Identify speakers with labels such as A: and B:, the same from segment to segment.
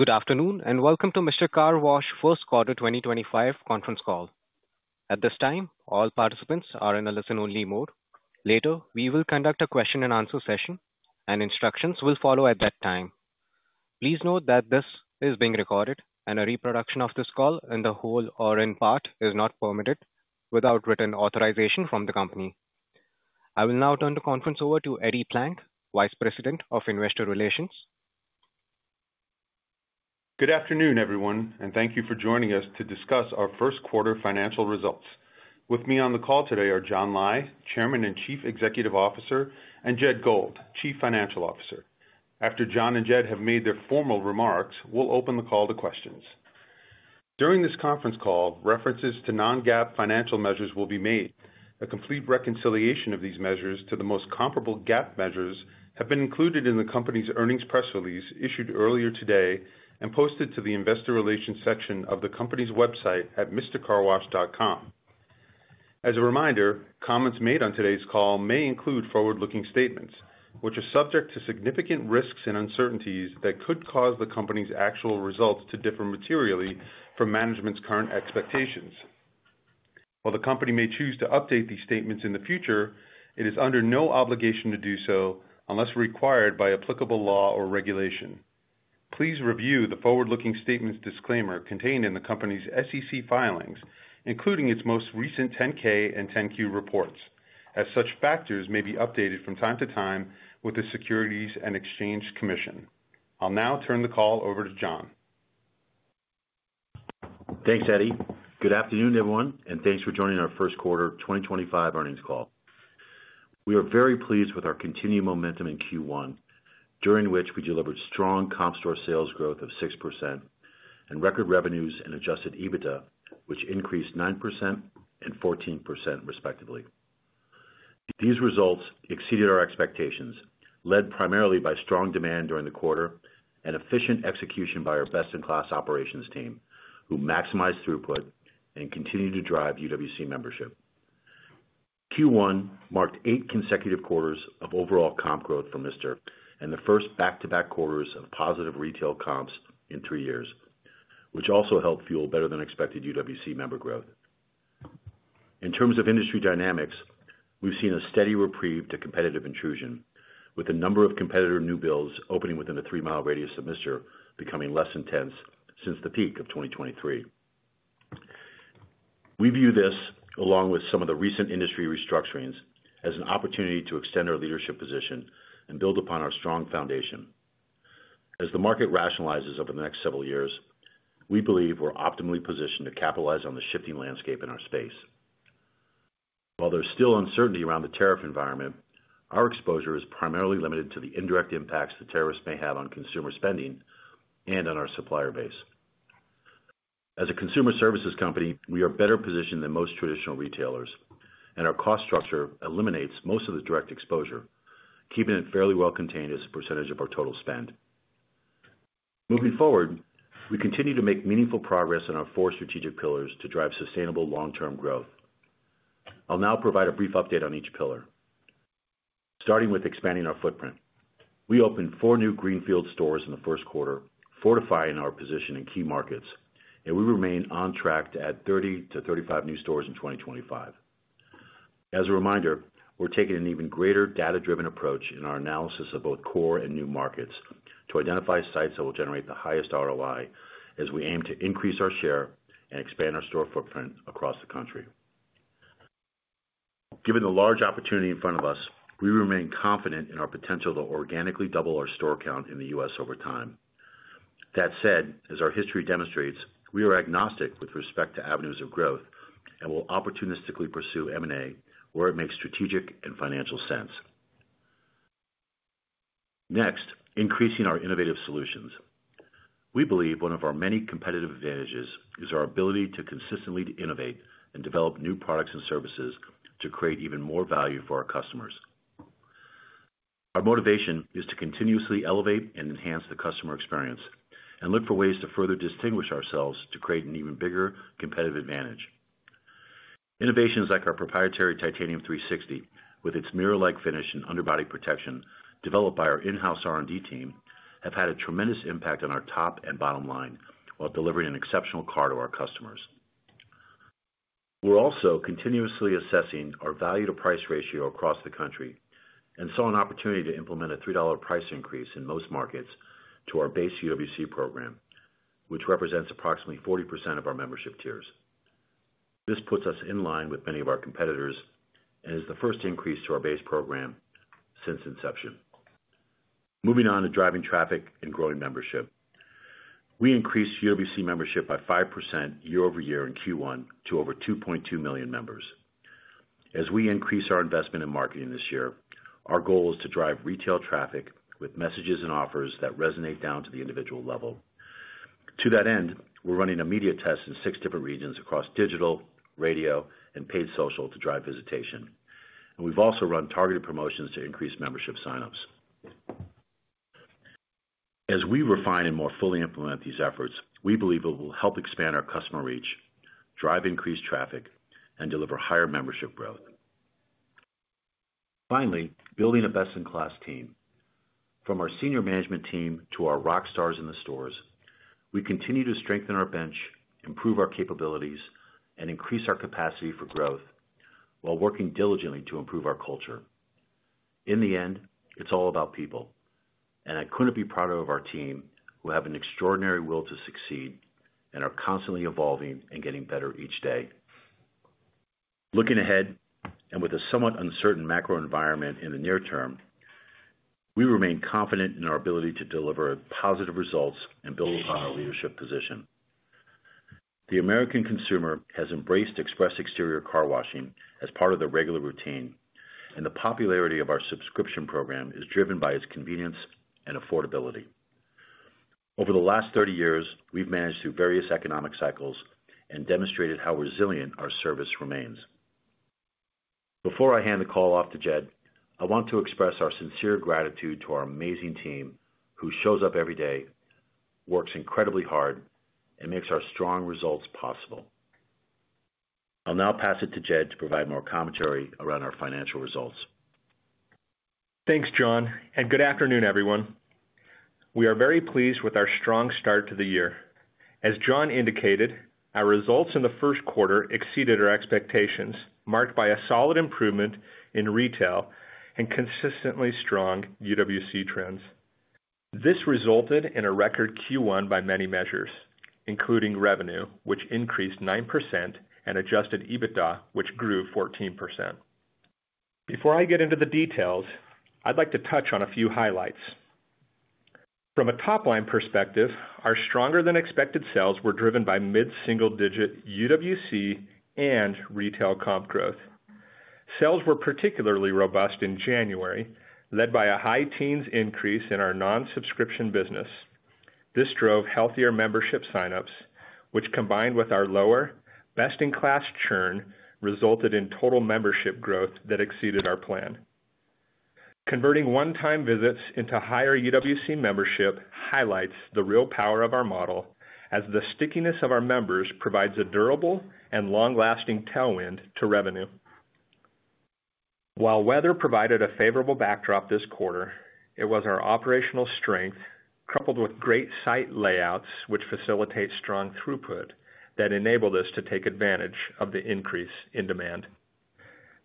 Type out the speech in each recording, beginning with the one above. A: Good afternoon, and welcome to Mister Car Wash First Quarter 2025 Conference Call. At this time, all participants are in a listen-only mode. Later, we will conduct a question-and-answer session, and instructions will follow at that time. Please note that this is being recorded, and a reproduction of this call, in the whole or in part, is not permitted without written authorization from the company. I will now turn the conference over to Eddie Plank, Vice President of Investor Relations.
B: Good afternoon, everyone, and thank you for joining us to discuss our first quarter financial results. With me on the call today are John Lai, Chairman and Chief Executive Officer, and Jed Gold, Chief Financial Officer. After John and Jed have made their formal remarks, we'll open the call to questions. During this conference call, references to non-GAAP financial measures will be made. A complete reconciliation of these measures to the most comparable GAAP measures has been included in the company's earnings press release issued earlier today and posted to the Investor Relations section of the company's website at mrcarwash.com. As a reminder, comments made on today's call may include forward-looking statements, which are subject to significant risks and uncertainties that could cause the company's actual results to differ materially from management's current expectations. While the company may choose to update these statements in the future, it is under no obligation to do so unless required by applicable law or regulation. Please review the forward-looking statements disclaimer contained in the company's SEC filings, including its most recent 10-K and 10-Q reports, as such factors may be updated from time to time with the Securities and Exchange Commission. I'll now turn the call over to John.
C: Thanks, Eddie. Good afternoon, everyone, and thanks for joining our first quarter 2025 earnings call. We are very pleased with our continued momentum in Q1, during which we delivered strong comp store sales growth of 6% and record revenues and adjusted EBITDA, which increased 9% and 14%, respectively. These results exceeded our expectations, led primarily by strong demand during the quarter and efficient execution by our best-in-class operations team, who maximized throughput and continued to drive UWC membership. Q1 marked eight consecutive quarters of overall comp growth for Mister and the first back-to-back quarters of positive retail comps in three years, which also helped fuel better-than-expected UWC member growth. In terms of industry dynamics, we've seen a steady reprieve to competitive intrusion, with the number of competitor new builds opening within a three-mile radius of Mister becoming less intense since the peak of 2023. We view this, along with some of the recent industry restructurings, as an opportunity to extend our leadership position and build upon our strong foundation. As the market rationalizes over the next several years, we believe we're optimally positioned to capitalize on the shifting landscape in our space. While there's still uncertainty around the tariff environment, our exposure is primarily limited to the indirect impacts the tariffs may have on consumer spending and on our supplier base. As a consumer services company, we are better positioned than most traditional retailers, and our cost structure eliminates most of the direct exposure, keeping it fairly well contained as a percentage of our total spend. Moving forward, we continue to make meaningful progress on our four strategic pillars to drive sustainable long-term growth. I'll now provide a brief update on each pillar, starting with expanding our footprint. We opened four new Greenfield stores in the first quarter, fortifying our position in key markets, and we remain on track to add 30-35 new stores in 2025. As a reminder, we're taking an even greater data-driven approach in our analysis of both core and new markets to identify sites that will generate the highest ROI, as we aim to increase our share and expand our store footprint across the country. Given the large opportunity in front of us, we remain confident in our potential to organically double our store count in the U.S. over time. That said, as our history demonstrates, we are agnostic with respect to avenues of growth and will opportunistically pursue M&A where it makes strategic and financial sense. Next, increasing our innovative solutions. We believe one of our many competitive advantages is our ability to consistently innovate and develop new products and services to create even more value for our customers. Our motivation is to continuously elevate and enhance the customer experience and look for ways to further distinguish ourselves to create an even bigger competitive advantage. Innovations like our proprietary Titanium 360, with its mirror-like finish and underbody protection developed by our in-house R&D team, have had a tremendous impact on our top and bottom line while delivering an exceptional car to our customers. We're also continuously assessing our value-to-price ratio across the country and saw an opportunity to implement a $3 price increase in most markets to our base UWC program, which represents approximately 40% of our membership tiers. This puts us in line with many of our competitors and is the first increase to our base program since inception. Moving on to driving traffic and growing membership, we increased UWC membership by 5% year-over-year in Q1 to over 2.2 million members. As we increase our investment in marketing this year, our goal is to drive retail traffic with messages and offers that resonate down to the individual level. To that end, we are running a media test in six different regions across digital, radio, and paid social to drive visitation, and we have also run targeted promotions to increase membership signups. As we refine and more fully implement these efforts, we believe it will help expand our customer reach, drive increased traffic, and deliver higher membership growth. Finally, building a best-in-class team. From our senior management team to our rock stars in the stores, we continue to strengthen our bench, improve our capabilities, and increase our capacity for growth while working diligently to improve our culture. In the end, it's all about people, and I couldn't be prouder of our team who have an extraordinary will to succeed and are constantly evolving and getting better each day. Looking ahead and with a somewhat uncertain macro environment in the near term, we remain confident in our ability to deliver positive results and build upon our leadership position. The American consumer has embraced express exterior car washing as part of the regular routine, and the popularity of our subscription program is driven by its convenience and affordability. Over the last 30 years, we've managed through various economic cycles and demonstrated how resilient our service remains. Before I hand the call off to Jed, I want to express our sincere gratitude to our amazing team who shows up every day, works incredibly hard, and makes our strong results possible. I'll now pass it to Jed to provide more commentary around our financial results.
D: Thanks, John, and good afternoon, everyone. We are very pleased with our strong start to the year. As John indicated, our results in the first quarter exceeded our expectations, marked by a solid improvement in retail and consistently strong UWC trends. This resulted in a record Q1 by many measures, including revenue, which increased 9%, and adjusted EBITDA, which grew 14%. Before I get into the details, I'd like to touch on a few highlights. From a top-line perspective, our stronger-than-expected sales were driven by mid-single-digit UWC and retail comp growth. Sales were particularly robust in January, led by a high teens increase in our non-subscription business. This drove healthier membership signups, which, combined with our lower best-in-class churn, resulted in total membership growth that exceeded our plan. Converting one-time visits into higher UWC membership highlights the real power of our model, as the stickiness of our members provides a durable and long-lasting tailwind to revenue. While weather provided a favorable backdrop this quarter, it was our operational strength, coupled with great site layouts, which facilitate strong throughput, that enabled us to take advantage of the increase in demand.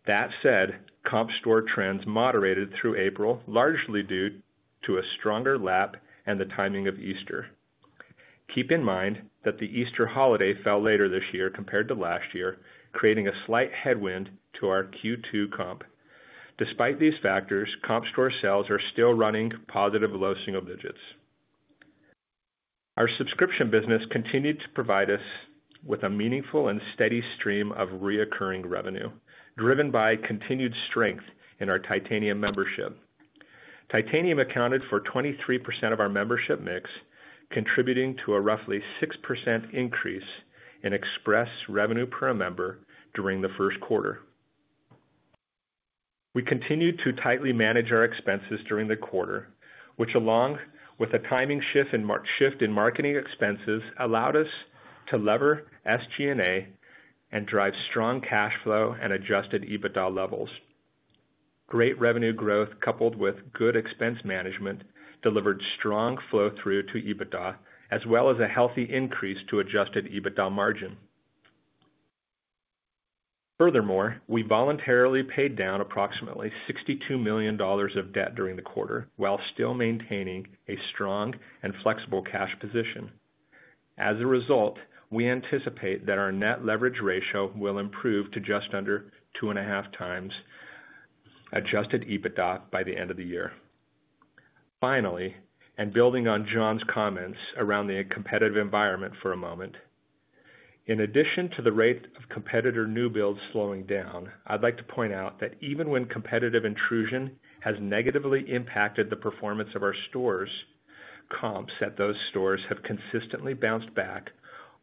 D: That said, comp store trends moderated through April, largely due to a stronger lap and the timing of Easter. Keep in mind that the Easter holiday fell later this year compared to last year, creating a slight headwind to our Q2 comp. Despite these factors, comp store sales are still running positive low single digits. Our subscription business continued to provide us with a meaningful and steady stream of reoccurring revenue, driven by continued strength in our Titanium membership. Titanium accounted for 23% of our membership mix, contributing to a roughly 6% increase in express revenue per member during the first quarter. We continued to tightly manage our expenses during the quarter, which, along with a timing shift in marketing expenses, allowed us to lever SG&A and drive strong cash flow and adjusted EBITDA levels. Great revenue growth, coupled with good expense management, delivered strong flow-through to EBITDA, as well as a healthy increase to adjusted EBITDA margin. Furthermore, we voluntarily paid down approximately $62 million of debt during the quarter while still maintaining a strong and flexible cash position. As a result, we anticipate that our net leverage ratio will improve to just under two and a half times adjusted EBITDA by the end of the year. Finally, and building on John's comments around the competitive environment for a moment, in addition to the rate of competitor new builds slowing down, I'd like to point out that even when competitive intrusion has negatively impacted the performance of our stores, comps at those stores have consistently bounced back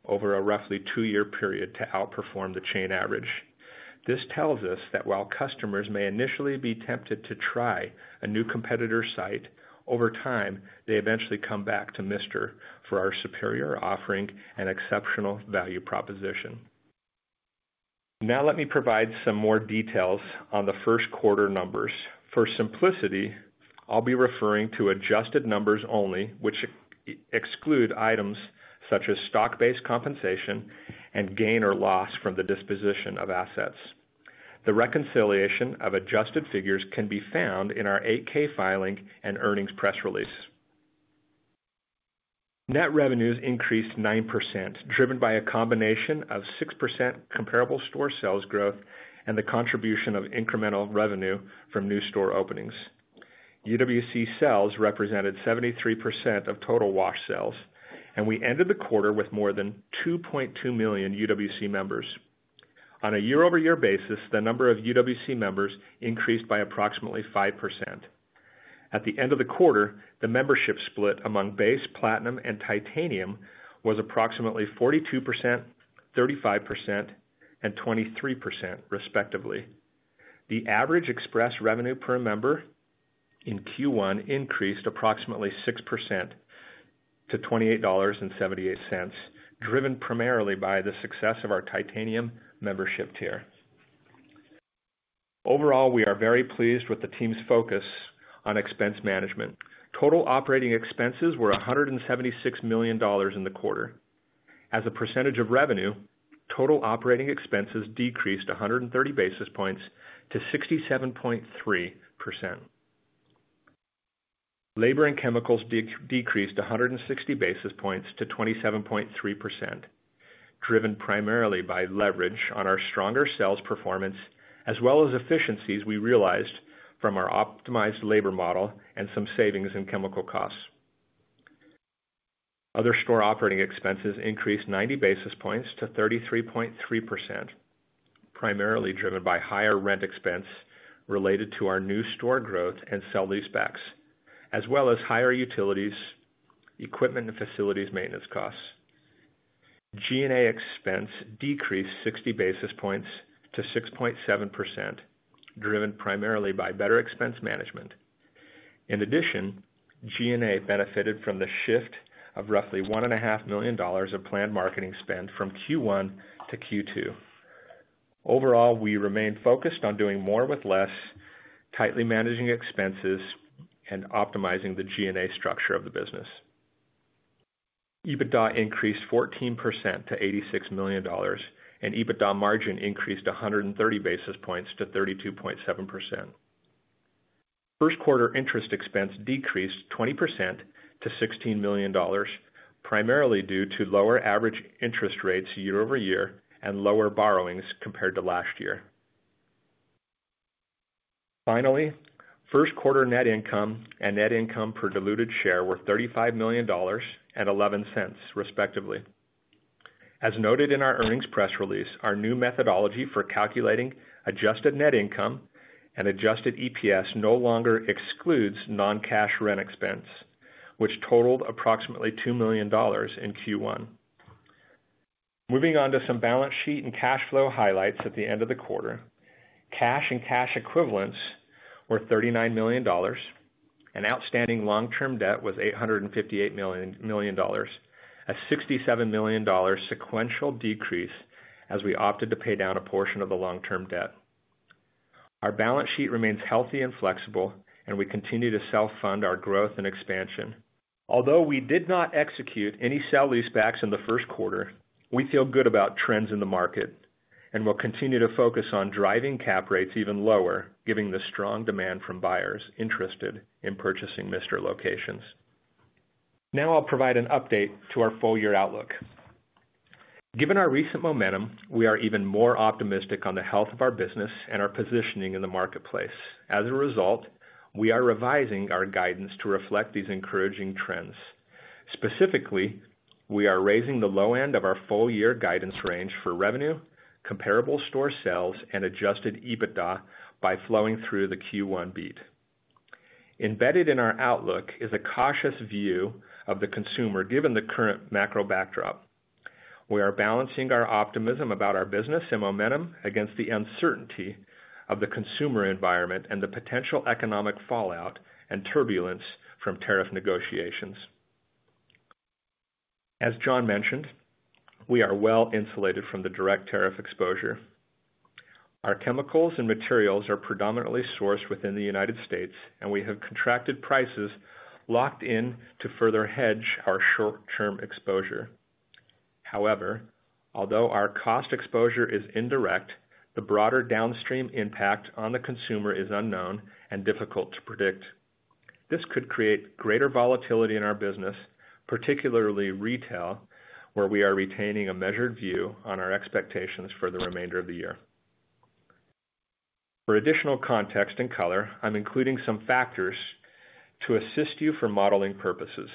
D: over a roughly two-year period to outperform the chain average. This tells us that while customers may initially be tempted to try a new competitor site, over time, they eventually come back to Mister for our superior offering and exceptional value proposition. Now, let me provide some more details on the first quarter numbers. For simplicity, I'll be referring to adjusted numbers only, which exclude items such as stock-based compensation and gain or loss from the disposition of assets. The reconciliation of adjusted figures can be found in our 8-K filing and earnings press release. Net revenues increased 9%, driven by a combination of 6% comparable store sales growth and the contribution of incremental revenue from new store openings. UWC sales represented 73% of total wash sales, and we ended the quarter with more than 2.2 million UWC members. On a year-over-year basis, the number of UWC members increased by approximately 5%. At the end of the quarter, the membership split among Base, Platinum, and Titanium was approximately 42%, 35%, and 23%, respectively. The average express revenue per member in Q1 increased approximately 6% to $28.78, driven primarily by the success of our Titanium membership tier. Overall, we are very pleased with the team's focus on expense management. Total operating expenses were $176 million in the quarter. As a percentage of revenue, total operating expenses decreased 130 basis points to 67.3%. Labor and chemicals decreased 160 basis points to 27.3%, driven primarily by leverage on our stronger sales performance, as well as efficiencies we realized from our optimized labor model and some savings in chemical costs. Other store operating expenses increased 90 basis points to 33.3%, primarily driven by higher rent expense related to our new store growth and sale lease backs, as well as higher utilities, equipment, and facilities maintenance costs. G&A expense decreased 60 basis points to 6.7%, driven primarily by better expense management. In addition, G&A benefited from the shift of roughly $1.5 million of planned marketing spend from Q1 to Q2. Overall, we remain focused on doing more with less, tightly managing expenses, and optimizing the G&A structure of the business. EBITDA increased 14% to $86 million, and EBITDA margin increased 130 basis points to 32.7%. First quarter interest expense decreased 20% to $16 million, primarily due to lower average interest rates year-over-year and lower borrowings compared to last year. Finally, first quarter net income and net income per diluted share were $35 million and $0.11, respectively. As noted in our earnings press release, our new methodology for calculating adjusted net income and adjusted EPS no longer excludes non-cash rent expense, which totaled approximately $2 million in Q1. Moving on to some balance sheet and cash flow highlights at the end of the quarter. Cash and cash equivalents were $39 million. An outstanding long-term debt was $858 million, a $67 million sequential decrease as we opted to pay down a portion of the long-term debt. Our balance sheet remains healthy and flexible, and we continue to self-fund our growth and expansion. Although we did not execute any sale lease backs in the first quarter, we feel good about trends in the market and will continue to focus on driving cap rates even lower, given the strong demand from buyers interested in purchasing Mister locations. Now, I'll provide an update to our full-year outlook. Given our recent momentum, we are even more optimistic on the health of our business and our positioning in the marketplace. As a result, we are revising our guidance to reflect these encouraging trends. Specifically, we are raising the low end of our full-year guidance range for revenue, comparable store sales, and adjusted EBITDA by flowing through the Q1 beat. Embedded in our outlook is a cautious view of the consumer given the current macro backdrop. We are balancing our optimism about our business and momentum against the uncertainty of the consumer environment and the potential economic fallout and turbulence from tariff negotiations. As John mentioned, we are well insulated from the direct tariff exposure. Our chemicals and materials are predominantly sourced within the United States, and we have contracted prices locked in to further hedge our short-term exposure. However, although our cost exposure is indirect, the broader downstream impact on the consumer is unknown and difficult to predict. This could create greater volatility in our business, particularly retail, where we are retaining a measured view on our expectations for the remainder of the year. For additional context and color, I'm including some factors to assist you for modeling purposes.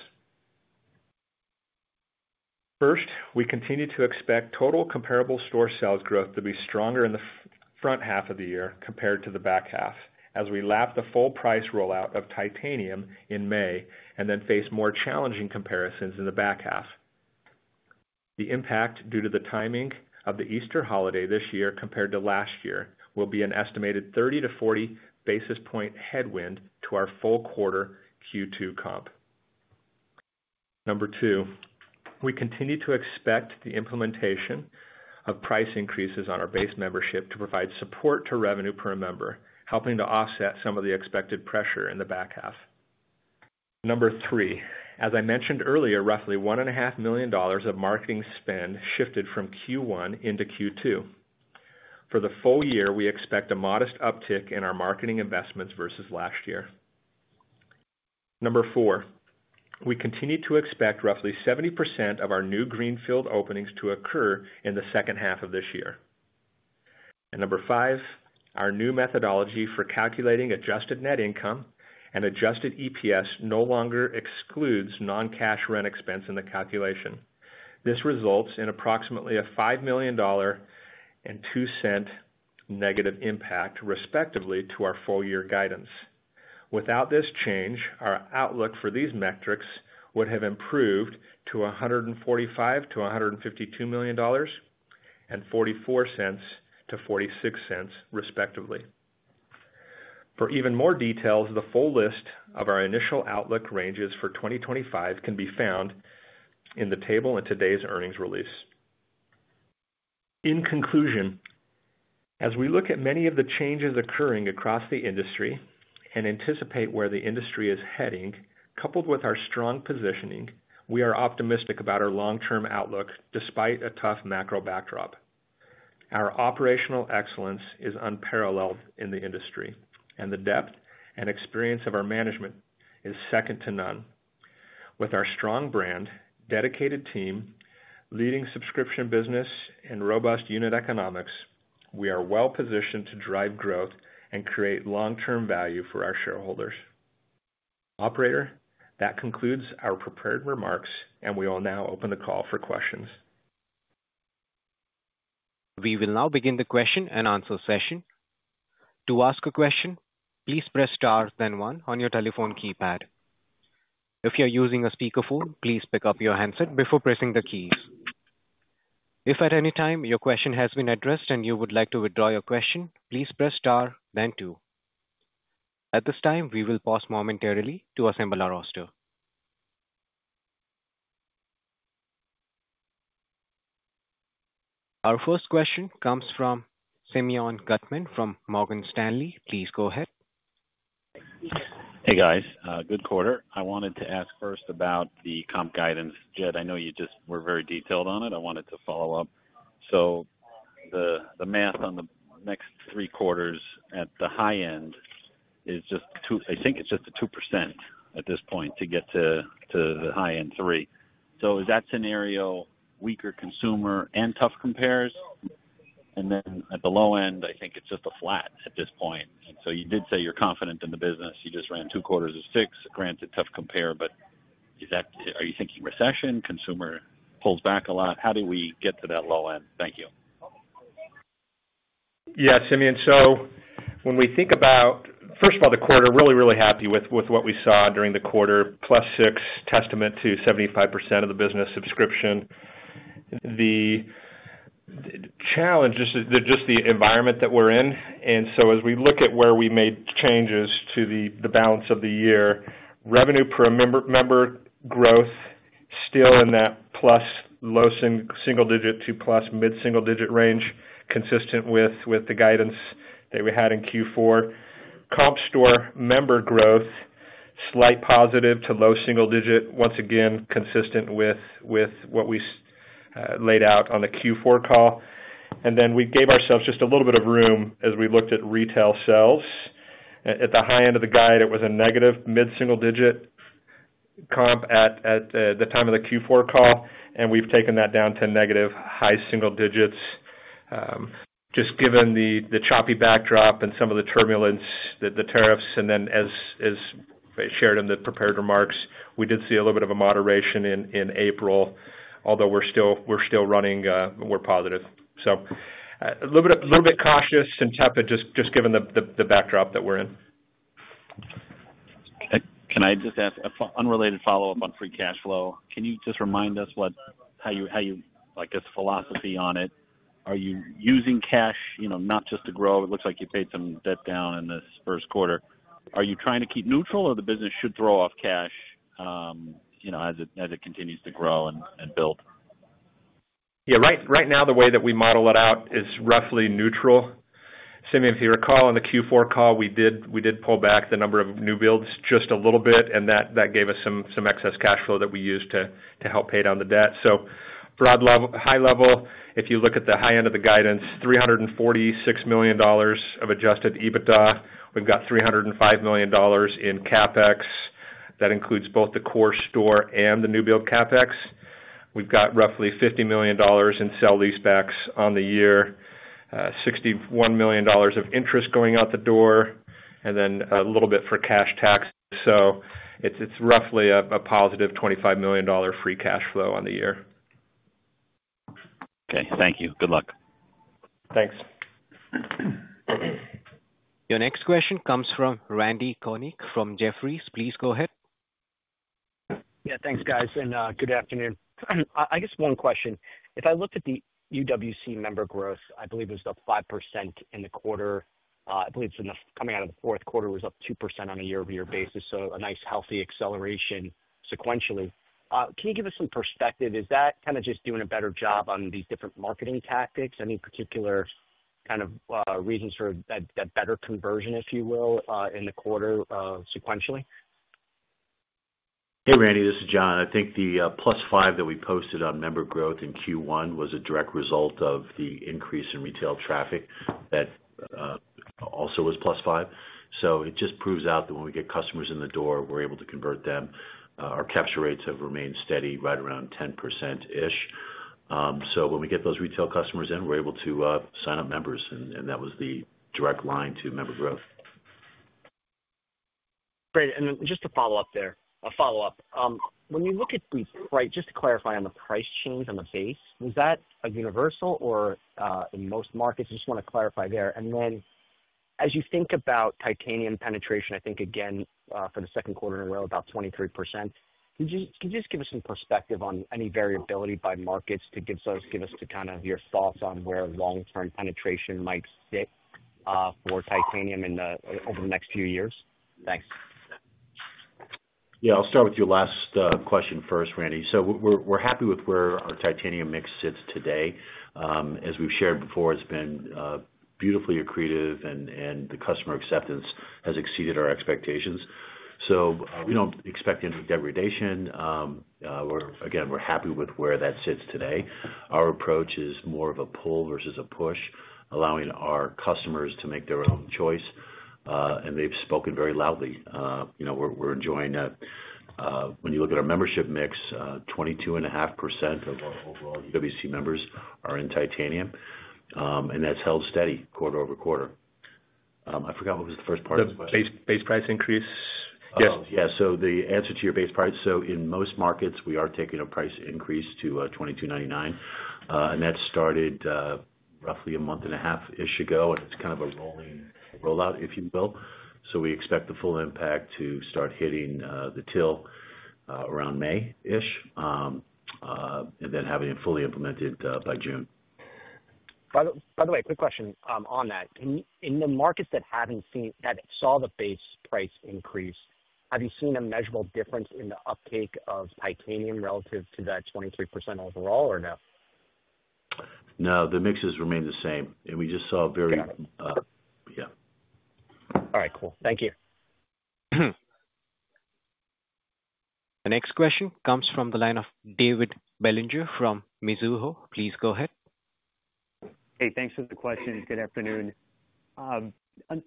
D: First, we continue to expect total comparable store sales growth to be stronger in the front half of the year compared to the back half, as we lap the full price rollout of Titanium in May and then face more challenging comparisons in the back half. The impact due to the timing of the Easter holiday this year compared to last year will be an estimated 30-40 basis point headwind to our full quarter Q2 comp. Number two, we continue to expect the implementation of price increases on our base membership to provide support to revenue per member, helping to offset some of the expected pressure in the back half. Number three, as I mentioned earlier, roughly $1.5 million of marketing spend shifted from Q1 into Q2. For the full year, we expect a modest uptick in our marketing investments versus last year. Number four, we continue to expect roughly 70% of our new greenfield openings to occur in the second half of this year. Number five, our new methodology for calculating adjusted net income and adjusted EPS no longer excludes non-cash rent expense in the calculation. This results in approximately a $5 million and $0.02 negative impact, respectively, to our full-year guidance. Without this change, our outlook for these metrics would have improved to $145 million-$152 million and $0.44-$0.46, respectively. For even more details, the full list of our initial outlook ranges for 2025 can be found in the table in today's earnings release. In conclusion, as we look at many of the changes occurring across the industry and anticipate where the industry is heading, coupled with our strong positioning, we are optimistic about our long-term outlook despite a tough macro backdrop. Our operational excellence is unparalleled in the industry, and the depth and experience of our management is second to none. With our strong brand, dedicated team, leading subscription business, and robust unit economics, we are well positioned to drive growth and create long-term value for our shareholders. Operator, that concludes our prepared remarks, and we will now open the call for questions.
A: We will now begin the question and answer session. To ask a question, please press star then one on your telephone keypad. If you're using a speakerphone, please pick up your handset before pressing the keys. If at any time your question has been addressed and you would like to withdraw your question, please press star then two. At this time, we will pause momentarily to assemble our roster. Our first question comes from Simeon Gutman from Morgan Stanley. Please go ahead.
E: Hey, guys. Good quarter. I wanted to ask first about the comp guidance. Jed, I know you just were very detailed on it. I wanted to follow up. The math on the next three quarters at the high end is just, I think it's just 2% at this point to get to the high end three. Is that scenario weaker consumer and tough compares? At the low end, I think it's just flat at this point. You did say you're confident in the business. You just ran two quarters of six, granted tough compare, but are you thinking recession? Consumer pulls back a lot. How do we get to that low end? Thank you.
D: Yeah, Simeon. When we think about, first of all, the quarter, really, really happy with what we saw during the quarter, +6% testament to 75% of the business subscription. The challenge, just the environment that we're in. As we look at where we made changes to the balance of the year, revenue per member growth still in that plus low single digit to plus mid single digit range, consistent with the guidance that we had in Q4. Comp store member growth, slight positive to low single digit, once again, consistent with what we laid out on the Q4 call. We gave ourselves just a little bit of room as we looked at retail sales. At the high end of the guide, it was a negative mid single digit comp at the time of the Q4 call, and we've taken that down to negative high single digits. Just given the choppy backdrop and some of the turbulence, the tariffs, and then as I shared in the prepared remarks, we did see a little bit of a moderation in April, although we're still running, we're positive. A little bit cautious and tepid, just given the backdrop that we're in.
E: Can I just ask an unrelated follow-up on free cash flow? Can you just remind us how you, I guess, philosophy on it? Are you using cash not just to grow? It looks like you paid some debt down in this first quarter. Are you trying to keep neutral or the business should throw off cash as it continues to grow and build?
D: Yeah, right now, the way that we model it out is roughly neutral. Simeon, if you recall, in the Q4 call, we did pull back the number of new builds just a little bit, and that gave us some excess cash flow that we used to help pay down the debt. Broad high level, if you look at the high end of the guidance, $346 million of adjusted EBITDA. We've got $305 million in CapEx. That includes both the core store and the new build CapEx. We've got roughly $50 million in sale lease backs on the year, $61 million of interest going out the door, and then a little bit for cash tax. It's roughly a positive $25 million free cash flow on the year.
E: Okay. Thank you. Good luck.
D: Thanks.
A: Your next question comes from Randy Konik from Jefferies. Please go ahead.
F: Yeah, thanks, guys. Good afternoon. I guess one question. If I looked at the UWC member growth, I believe it was up 5% in the quarter. I believe coming out of the fourth quarter it was up 2% on a year-over-year basis. A nice healthy acceleration sequentially. Can you give us some perspective? Is that kind of just doing a better job on these different marketing tactics? Any particular kind of reasons for that better conversion, if you will, in the quarter sequentially?
C: Hey, Randy. This is John. I think the plus five that we posted on member growth in Q1 was a direct result of the increase in retail traffic that also was plus five. It just proves out that when we get customers in the door, we're able to convert them. Our capture rates have remained steady, right around 10%-ish. When we get those retail customers in, we're able to sign up members, and that was the direct line to member growth.
F: Great. Just to follow up there, a follow-up. When you look at the price, just to clarify on the price change on the base, is that a universal or in most markets? I just want to clarify there. As you think about titanium penetration, I think, again, for the second quarter in a row, about 23%. Can you just give us some perspective on any variability by markets to give us kind of your thoughts on where long-term penetration might sit for titanium over the next few years? Thanks.
C: Yeah, I'll start with your last question first, Randy. We're happy with where our titanium mix sits today. As we've shared before, it's been beautifully accretive, and the customer acceptance has exceeded our expectations. We don't expect any degradation. Again, we're happy with where that sits today. Our approach is more of a pull versus a push, allowing our customers to make their own choice. They've spoken very loudly. We're enjoying that. When you look at our membership mix, 22.5% of our overall UWC members are in Titanium, and that's held steady quarter over quarter. I forgot what was the first part of the question.
F: Base price increase?
C: Yes. Yeah. The answer to your base price, in most markets, we are taking a price increase to $22.99, and that started roughly a month and a half-ish ago, and it is kind of a rolling rollout, if you will. We expect the full impact to start hitting the till around May-ish and then having it fully implemented by June.
F: By the way, quick question on that. In the markets that saw the base price increase, have you seen a measurable difference in the uptake of Titanium relative to that 23% overall or no?
C: No, the mixes remain the same. We just saw very, yeah.
F: All right. Cool. Thank you.
A: The next question comes from the line of David Bellinger from Mizuho. Please go ahead.
G: Hey, thanks for the question. Good afternoon.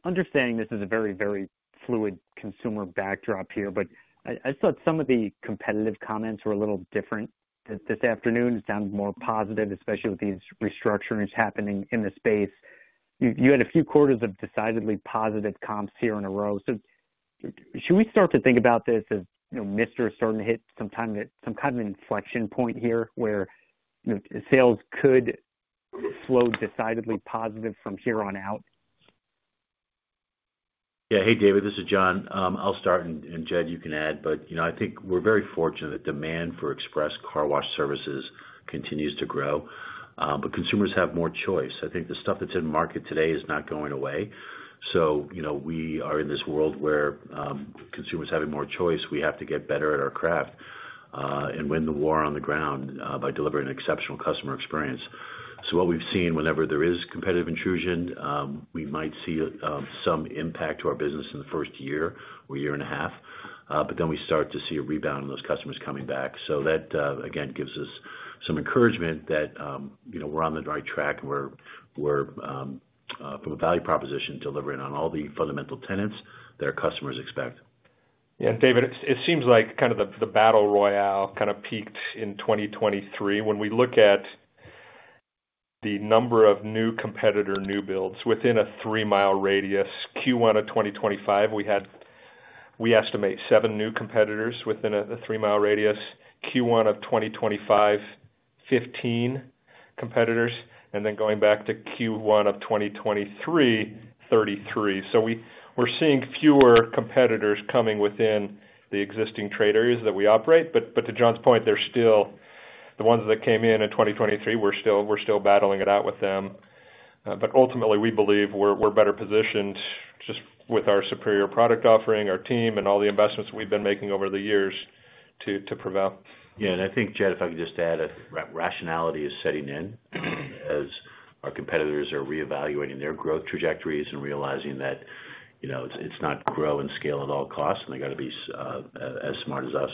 G: Understanding this is a very, very fluid consumer backdrop here, but I thought some of the competitive comments were a little different this afternoon. It sounded more positive, especially with these restructurings happening in the space. You had a few quarters of decidedly positive comps here in a row. Should we start to think about this as Mister starting to hit some kind of inflection point here where sales could flow decidedly positive from here on out?
C: Yeah. Hey, David. This is John. I'll start, and Jed, you can add. I think we're very fortunate that demand for express car wash services continues to grow. Consumers have more choice. I think the stuff that's in the market today is not going away. We are in this world where consumers have more choice. We have to get better at our craft and win the war on the ground by delivering an exceptional customer experience. What we've seen, whenever there is competitive intrusion, we might see some impact to our business in the first year or year and a half. We start to see a rebound in those customers coming back. That, again, gives us some encouragement that we're on the right track and we're, from a value proposition, delivering on all the fundamental tenets that our customers expect.
D: Yeah. David, it seems like kind of the battle royale kind of peaked in 2023. When we look at the number of new competitor new builds within a three-mile radius, Q1 of 2025, we estimate seven new competitors within a three-mile radius. Q1 of 2025, 15 competitors. And then going back to Q1 of 2023, 33. We are seeing fewer competitors coming within the existing trade areas that we operate. To John's point, the ones that came in in 2023, we are still battling it out with them. Ultimately, we believe we are better positioned just with our superior product offering, our team, and all the investments we have been making over the years to prevail.
C: Yeah. I think, Jed, if I could just add, rationality is setting in as our competitors are reevaluating their growth trajectories and realizing that it's not grow and scale at all costs, and they got to be as smart as us.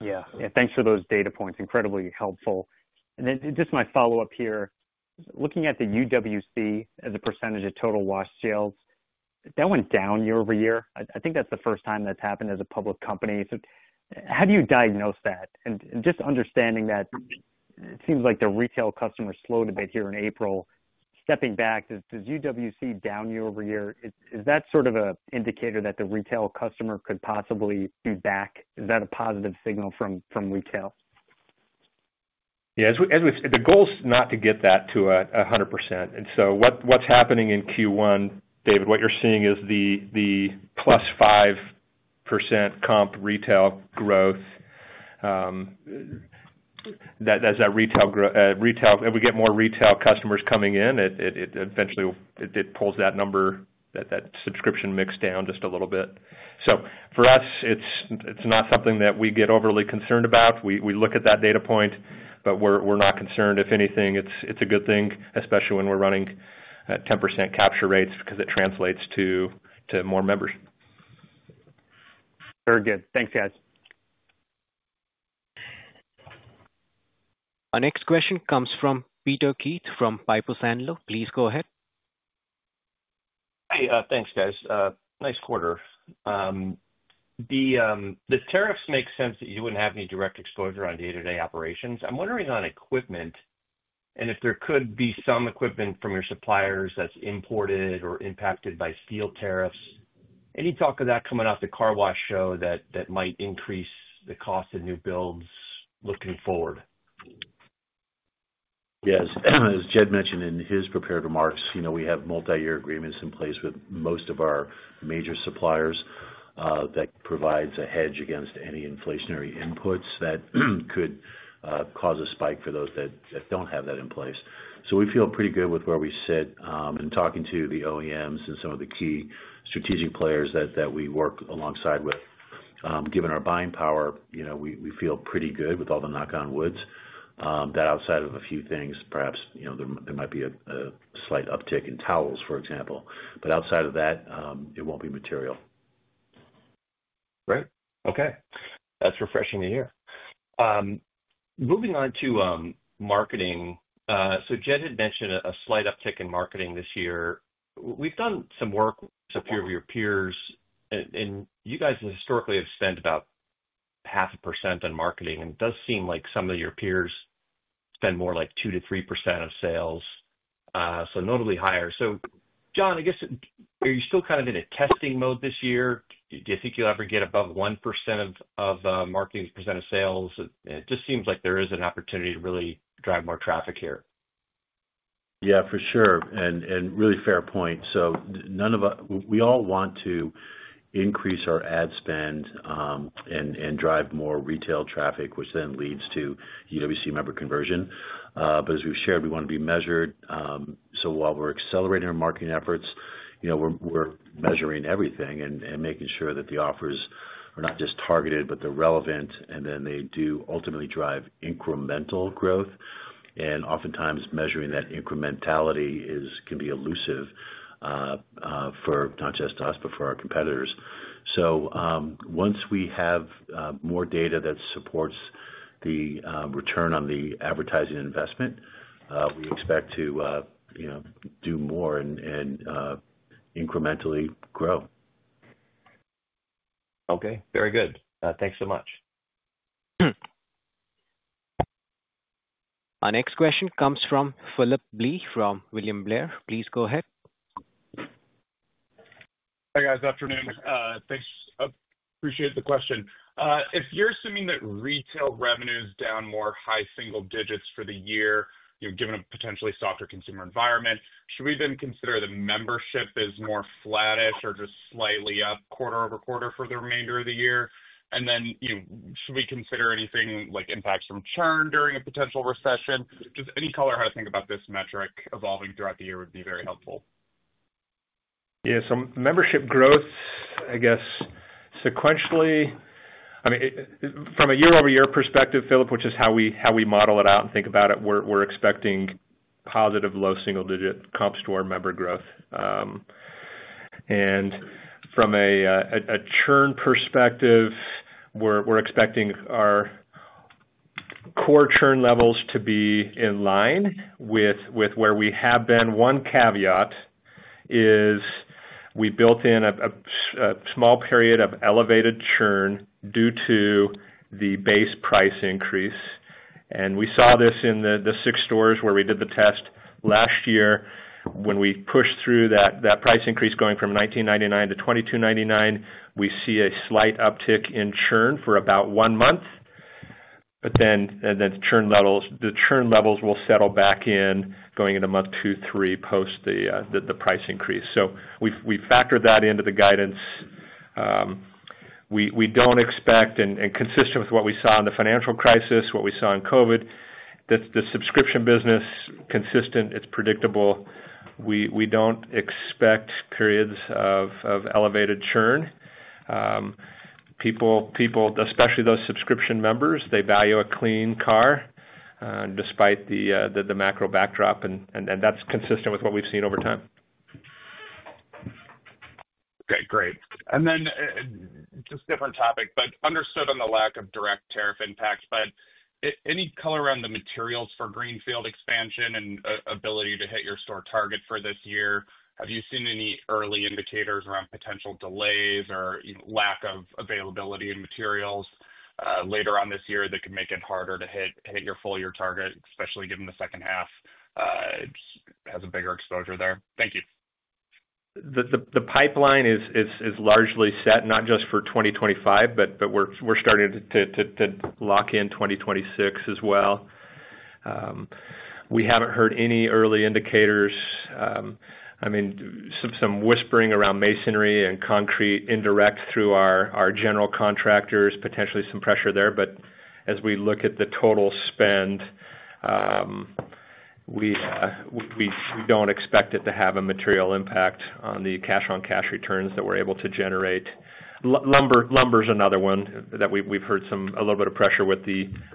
G: Yeah. Yeah. Thanks for those data points. Incredibly helpful. Then just my follow-up here. Looking at the UWC as a percentage of total wash sales, that went down year-over-year. I think that's the first time that's happened as a public company. How do you diagnose that? Just understanding that it seems like the retail customer slowed a bit here in April. Stepping back, does UWC down year-over-year, is that sort of an indicator that the retail customer could possibly be back? Is that a positive signal from retail?
D: Yeah. The goal is not to get that to 100%. And so what's happening in Q1, David, what you're seeing is the +5% comp retail growth. As we get more retail customers coming in, eventually, it pulls that number, that subscription mix down just a little bit. For us, it's not something that we get overly concerned about. We look at that data point, but we're not concerned. If anything, it's a good thing, especially when we're running 10% capture rates because it translates to more members.
G: Very good. Thanks, guys.
A: Our next question comes from Peter Keith from Piper Sandler. Please go ahead.
H: Hey. Thanks, guys. Nice quarter. The tariffs make sense that you would not have any direct exposure on day-to-day operations. I am wondering on equipment and if there could be some equipment from your suppliers that is imported or impacted by steel tariffs. Any talk of that coming off the car wash show that might increase the cost of new builds looking forward?
C: Yes. As Jed mentioned in his prepared remarks, we have multi-year agreements in place with most of our major suppliers that provides a hedge against any inflationary inputs that could cause a spike for those that do not have that in place. We feel pretty good with where we sit in talking to the OEMs and some of the key strategic players that we work alongside with. Given our buying power, we feel pretty good with all the knock-on woods. Outside of a few things, perhaps there might be a slight uptick in towels, for example. Outside of that, it will not be material.
H: Right. Okay. That's refreshing to hear. Moving on to marketing. Jed mentioned a slight uptick in marketing this year. We've done some work. A few of your peers. And you guys historically have spent about half a percent on marketing. It does seem like some of your peers spend more like 2%-3% of sales. Notably higher. John, I guess, are you still kind of in a testing mode this year? Do you think you'll ever get above 1% of marketing percent of sales? It just seems like there is an opportunity to really drive more traffic here.
C: Yeah, for sure. Really fair point. We all want to increase our ad spend and drive more retail traffic, which then leads to UWC member conversion. As we've shared, we want to be measured. While we're accelerating our marketing efforts, we're measuring everything and making sure that the offers are not just targeted, but they're relevant, and that they do ultimately drive incremental growth. Oftentimes, measuring that incrementality can be elusive for not just us, but for our competitors. Once we have more data that supports the return on the advertising investment, we expect to do more and incrementally grow.
H: Okay. Very good. Thanks so much.
B: Our next question comes from Phillip Blee from William Blair. Please go ahead.
I: Hey, guys. Afternoon. Thanks. Appreciate the question. If you're assuming that retail revenue is down more high single digits for the year, given a potentially softer consumer environment, should we then consider the membership is more flattish or just slightly up quarter over quarter for the remainder of the year? Should we consider anything like impacts from churn during a potential recession? Just any color how to think about this metric evolving throughout the year would be very helpful.
D: Yeah. So membership growth, I guess, sequentially, I mean, from a year-over-year perspective, Phillip, which is how we model it out and think about it, we're expecting positive low single-digit comps to our member growth. And from a churn perspective, we're expecting our core churn levels to be in line with where we have been. One caveat is we built in a small period of elevated churn due to the base price increase. We saw this in the six stores where we did the test last year. When we pushed through that price increase going from $19.99-$22.99, we see a slight uptick in churn for about one month. The churn levels will settle back in going into month two, three, post the price increase. We factor that into the guidance. We don't expect, and consistent with what we saw in the financial crisis, what we saw in COVID, that the subscription business is consistent. It's predictable. We don't expect periods of elevated churn. People, especially those subscription members, they value a clean car despite the macro backdrop. And that's consistent with what we've seen over time.
I: Okay. Great. Just a different topic, but understood on the lack of direct tariff impacts. Any color around the materials for Greenfield expansion and ability to hit your store target for this year? Have you seen any early indicators around potential delays or lack of availability of materials later on this year that can make it harder to hit your full year target, especially given the second half has a bigger exposure there? Thank you.
D: The pipeline is largely set, not just for 2025, but we're starting to lock in 2026 as well. We haven't heard any early indicators. I mean, some whispering around masonry and concrete indirect through our general contractors, potentially some pressure there. As we look at the total spend, we don't expect it to have a material impact on the cash-on-cash returns that we're able to generate. Lumber is another one that we've heard a little bit of pressure with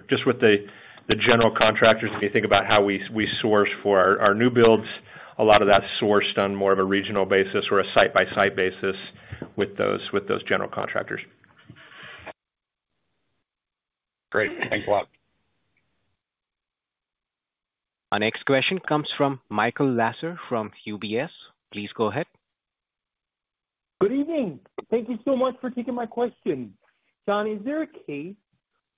D: just with the general contractors. When you think about how we source for our new builds, a lot of that's sourced on more of a regional basis or a site-by-site basis with those general contractors.
I: Great. Thanks a lot.
A: Our next question comes from Michael Lasser from UBS. Please go ahead.
J: Good evening. Thank you so much for taking my question. John, is there a case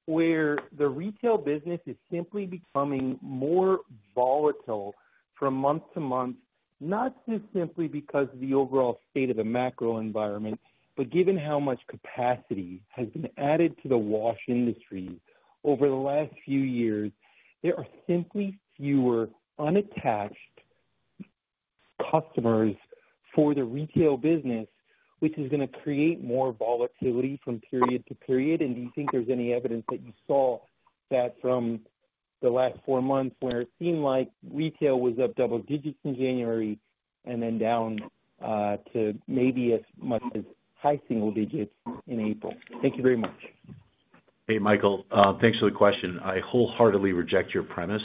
J: where the retail business is simply becoming more volatile from month to month, not just simply because of the overall state of the macro environment, but given how much capacity has been added to the wash industry over the last few years, there are simply fewer unattached customers for the retail business, which is going to create more volatility from period to period? Do you think there's any evidence that you saw that from the last four months where it seemed like retail was up double digits in January and then down to maybe as much as high single digits in April? Thank you very much.
C: Hey, Michael. Thanks for the question. I wholeheartedly reject your premise.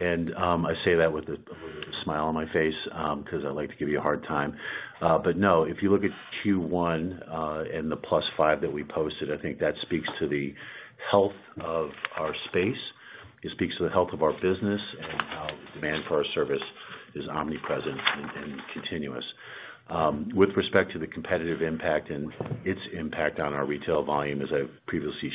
C: I say that with a smile on my face because I like to give you a hard time. No, if you look at Q1 and the plus five that we posted, I think that speaks to the health of our space. It speaks to the health of our business and how the demand for our service is omnipresent and continuous. With respect to the competitive impact and its impact on our retail volume, as I've previously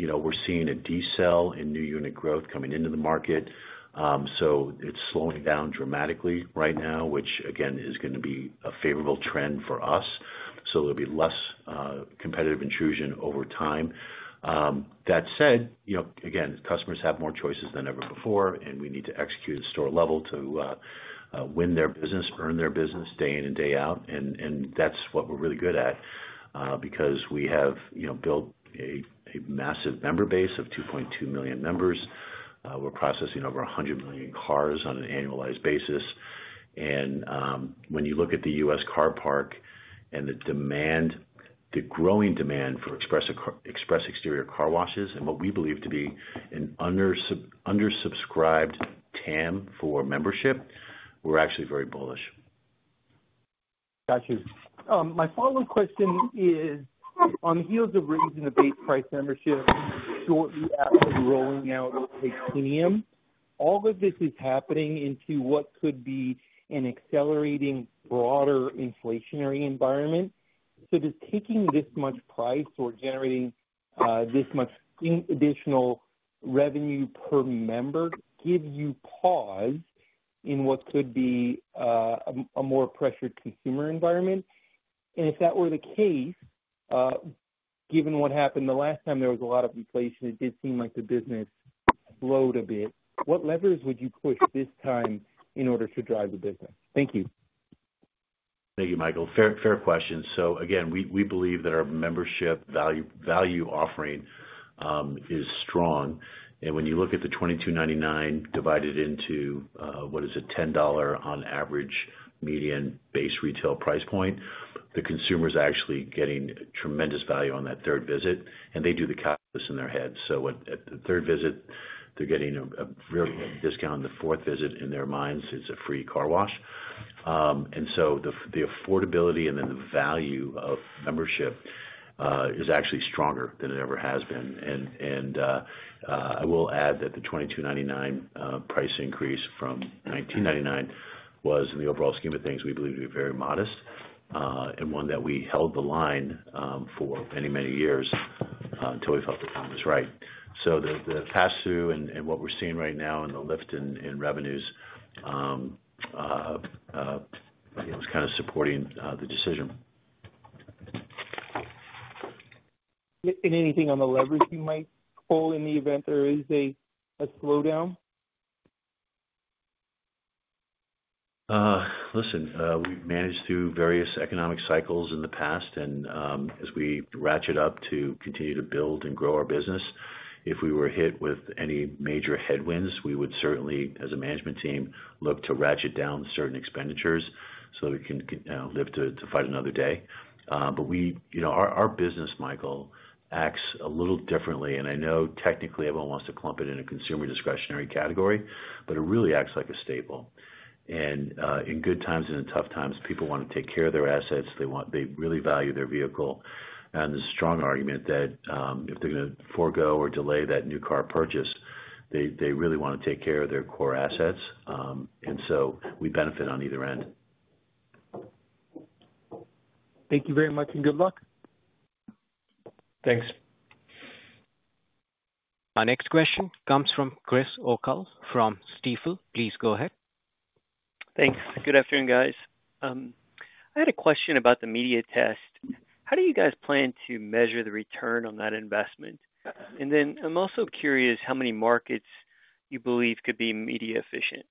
C: shared, we're seeing a decel in new unit growth coming into the market. It is slowing down dramatically right now, which, again, is going to be a favorable trend for us. There will be less competitive intrusion over time. That said, again, customers have more choices than ever before, and we need to execute at store level to win their business, earn their business day in and day out. That is what we are really good at because we have built a massive member base of 2.2 million members. We are processing over 100 million cars on an annualized basis. When you look at the US car park and the growing demand for express exterior car washes and what we believe to be an undersubscribed TAM for membership, we are actually very bullish.
J: Gotcha. My follow-up question is, on the heels of raising the base price membership shortly after rolling out Titanium, all of this is happening into what could be an accelerating broader inflationary environment. Does taking this much price or generating this much additional revenue per member give you pause in what could be a more pressured consumer environment? If that were the case, given what happened the last time there was a lot of inflation, it did seem like the business slowed a bit. What levers would you push this time in order to drive the business? Thank you.
C: Thank you, Michael. Fair question. We believe that our membership value offering is strong. When you look at the $22.99 divided into what is a $10 on average median base retail price point, the consumer is actually getting tremendous value on that third visit. They do the calculus in their head. At the third visit, they're getting a discount. The fourth visit, in their minds, is a free car wash. The affordability and the value of membership is actually stronger than it ever has been. I will add that the $22.99 price increase from $19.99 was, in the overall scheme of things, we believe to be very modest and one that we held the line for many, many years until we felt the time was right. The pass-through and what we're seeing right now and the lift in revenues was kind of supporting the decision.
J: Is there anything on the levers you might pull in the event there is a slowdown?
C: Listen, we've managed through various economic cycles in the past. As we ratchet up to continue to build and grow our business, if we were hit with any major headwinds, we would certainly, as a management team, look to ratchet down certain expenditures so that we can live to fight another day. Our business, Michael, acts a little differently. I know technically everyone wants to clump it in a consumer discretionary category, but it really acts like a staple. In good times and in tough times, people want to take care of their assets. They really value their vehicle. There's a strong argument that if they're going to forego or delay that new car purchase, they really want to take care of their core assets. We benefit on either end.
J: Thank you very much and good luck.
D: Thanks.
A: Our next question comes from Chris O'cull from Stifel. Please go ahead.
K: Thanks. Good afternoon, guys. I had a question about the media test. How do you guys plan to measure the return on that investment? I am also curious how many markets you believe could be media efficient.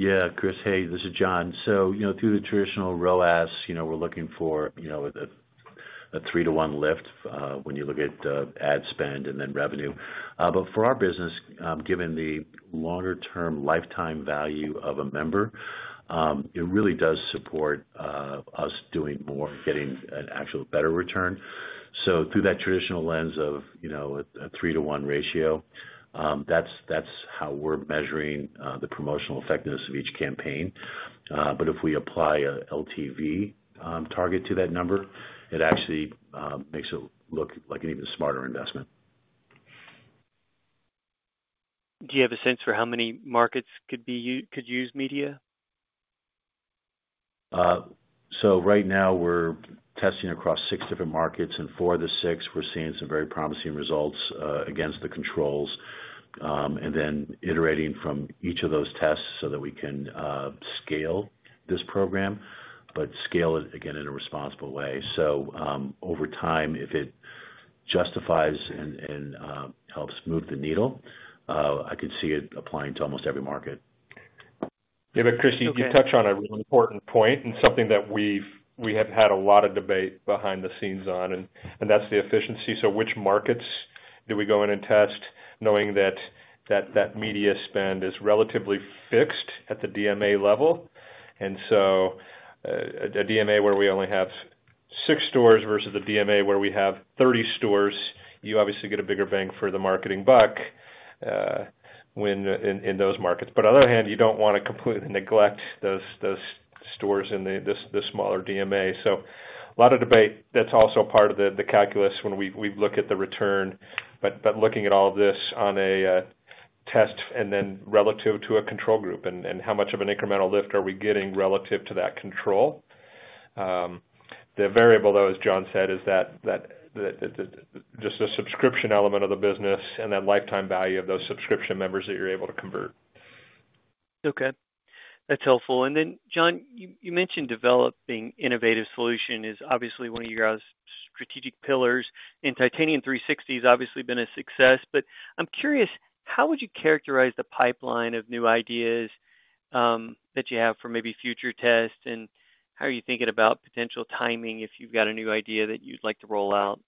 C: Yeah, Chris, hey, this is John. Through the traditional ROAS, we're looking for a three-to-one lift when you look at ad spend and then revenue. For our business, given the longer-term lifetime value of a member, it really does support us doing more and getting an actual better return. Through that traditional lens of a three-to-one ratio, that's how we're measuring the promotional effectiveness of each campaign. If we apply an LTV target to that number, it actually makes it look like an even smarter investment.
K: Do you have a sense for how many markets could use media?
C: Right now, we're testing across six different markets. For the six, we're seeing some very promising results against the controls. Then iterating from each of those tests so that we can scale this program, but scale it, again, in a responsible way. Over time, if it justifies and helps move the needle, I could see it applying to almost every market.
D: But Christ, you touched on a really important point and something that we have had a lot of debate behind the scenes on. That's the efficiency. Which markets do we go in and test knowing that that media spend is relatively fixed at the DMA level? A DMA where we only have six stores versus a DMA where we have 30 stores, you obviously get a bigger bang for the marketing buck in those markets. On the other hand, you don't want to completely neglect those stores in the smaller DMA. A lot of debate. That's also part of the calculus when we look at the return. Looking at all of this on a test and then relative to a control group and how much of an incremental lift are we getting relative to that control. The variable, though, as John said, is just the subscription element of the business and that lifetime value of those subscription members that you're able to convert.
K: Okay. That's helpful. John, you mentioned developing innovative solutions is obviously one of your guys' strategic pillars. Titanium 360 has obviously been a success. I'm curious, how would you characterize the pipeline of new ideas that you have for maybe future tests? How are you thinking about potential timing if you've got a new idea that you'd like to roll out?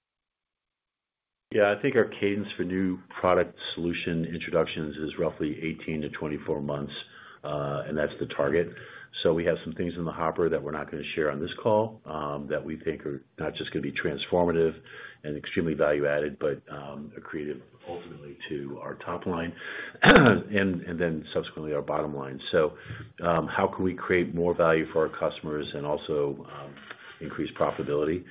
C: Yeah, I think our cadence for new product solution introductions is roughly 18-24 months. That is the target. We have some things in the hopper that we're not going to share on this call that we think are not just going to be transformative and extremely value-added, but accretive ultimately to our top line and then subsequently our bottom line. How can we create more value for our customers and also increase profitability?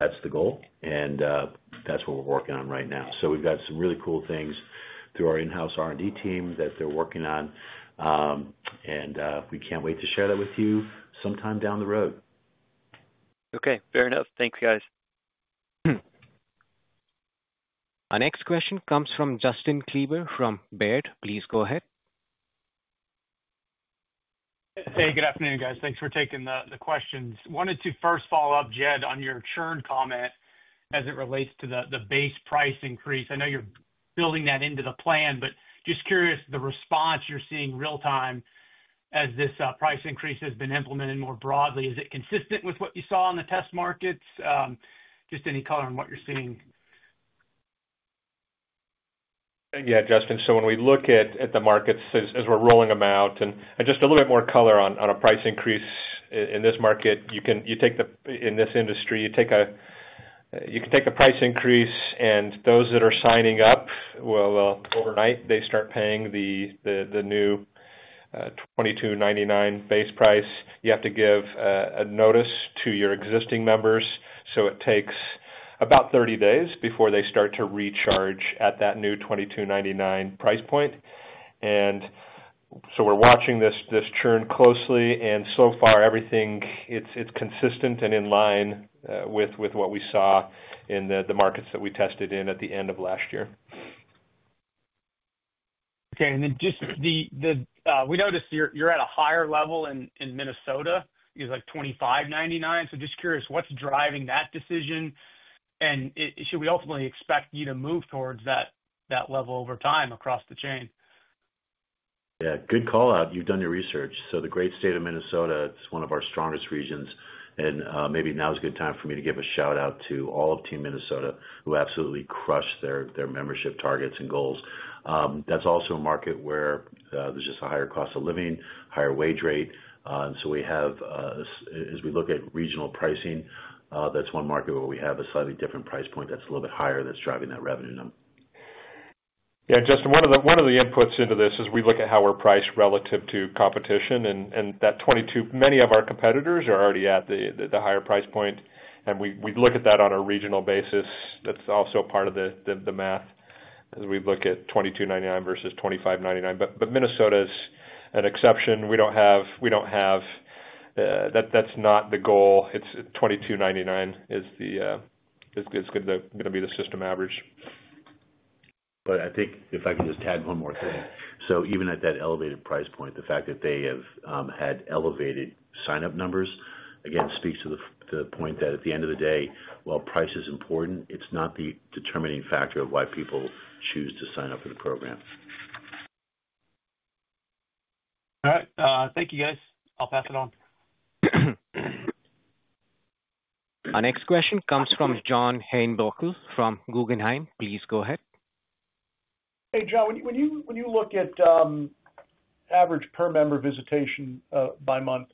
C: That is the goal. That is what we're working on right now. We've got some really cool things through our in-house R&D team that they're working on. We can't wait to share that with you sometime down the road.
K: Okay. Fair enough. Thanks, guys.
A: Our next question comes from Justin Kleber from Baird. Please go ahead.
L: Hey, good afternoon, guys. Thanks for taking the questions. Wanted to first follow up, Jed, on your churn comment as it relates to the base price increase. I know you're building that into the plan, but just curious, the response you're seeing real-time as this price increase has been implemented more broadly, is it consistent with what you saw on the test markets? Just any color on what you're seeing.
D: Yeah, Justin. When we look at the markets as we're rolling them out and just a little bit more color on a price increase in this market, you take the in this industry, you can take the price increase, and those that are signing up, overnight, they start paying the new $22.99 base price. You have to give a notice to your existing members. It takes about 30 days before they start to recharge at that new $22.99 price point. We're watching this churn closely. So far, everything is consistent and in line with what we saw in the markets that we tested in at the end of last year.
L: Okay. Just the we noticed you're at a higher level in Minnesota. It was like $25.99. Just curious, what's driving that decision? Should we ultimately expect you to move towards that level over time across the chain?
C: Yeah. Good call out. You've done your research. The great state of Minnesota, it's one of our strongest regions. Maybe now is a good time for me to give a shout-out to all of Team Minnesota who absolutely crushed their membership targets and goals. That's also a market where there's just a higher cost of living, higher wage rate. We have, as we look at regional pricing, that's one market where we have a slightly different price point that's a little bit higher that's driving that revenue number.
D: Yeah, Justin, one of the inputs into this is we look at how we're priced relative to competition. That $22, many of our competitors are already at the higher price point. We look at that on a regional basis. That's also part of the math as we look at $22.99 versus $25.99. Minnesota's an exception. We don't have, that's not the goal. It's $22.99 is going to be the system average.
C: I think if I can just tag one more thing. Even at that elevated price point, the fact that they have had elevated sign-up numbers, again, speaks to the point that at the end of the day, while price is important, it's not the determining factor of why people choose to sign up for the program.
L: All right. Thank you, guys. I'll pass it on.
A: Our next question comes from John Heinbockel from Guggenheim. Please go ahead.
M: Hey, John. When you look at average per-member visitation by month,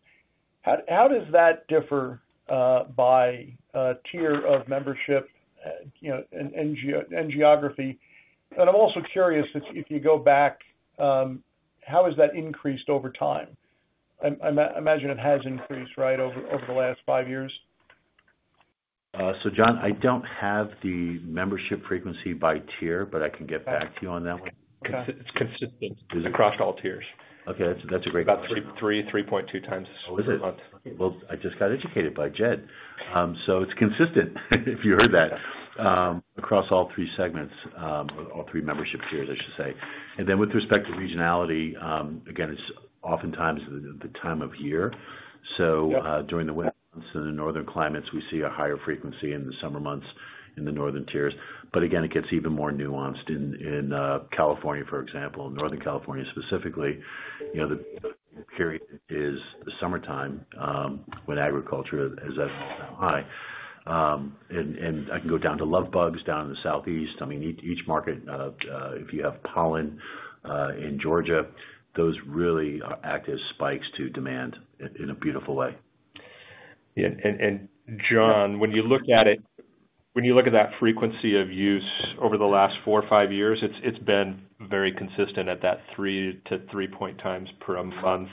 M: how does that differ by tier of membership and geography? I am also curious, if you go back, how has that increased over time? I imagine it has increased, right, over the last five years?
C: John, I don't have the membership frequency by tier, but I can get back to you on that one.
D: It's consistent. It's across all tiers.
C: Okay. That's a great question.
D: About 3.2 times per month.
C: I just got educated by Jed. It's consistent, if you heard that, across all three segments, all three membership tiers, I should say. With respect to regionality, again, it's oftentimes the time of year. During the winter months in the northern climates, we see a higher frequency in the summer months in the northern tiers. It gets even more nuanced. In California, for example, in Northern California specifically, the period is the summertime when agriculture is at its high. I can go down to love bugs down in the Southeast. I mean, each market, if you have pollen in Georgia, those really act as spikes to demand in a beautiful way.
D: Yeah. John, when you look at it, when you look at that frequency of use over the last four or five years, it's been very consistent at that 3-3.3 times per month.